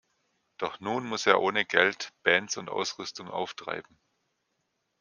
Doch nun muss er ohne Geld Bands und Ausrüstung auftreiben.